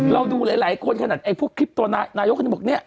เราดูหลายคนขนาดไอ้พวกคิปโตนายกเขาบอกเนี่ย